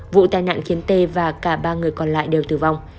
vụ tai nạn khiến t và cả ba người còn lại đều tử vong